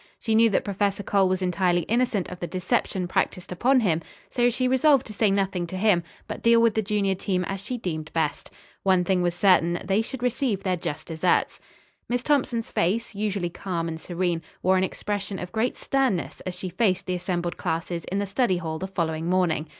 She knew that Professor Cole was entirely innocent of the deception practised upon him, so she resolved to say nothing to him, but deal with the junior team as she deemed best. One thing was certain, they should receive their just deserts. Miss Thompson's face, usually calm and serene, wore an expression of great sternness as she faced the assembled classes in the study hall the following morning.